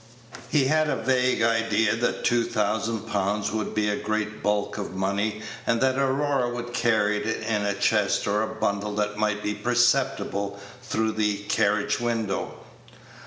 He had a vague idea that two thousand pounds would be a great bulk of money, and that Aurora would carry it in a chest or a bundle that might be perceptible through the carriage window.